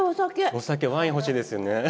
お酒ワイン欲しいですよね。